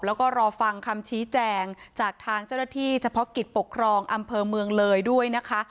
แล้วก็รอฟังคำชี้แจงจากทางเจ้าหน้าที่เฉพาะกิจปกครองอำเภอเมืองเลยด้วยนะคะ